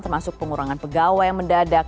termasuk pengurangan pegawai yang mendadak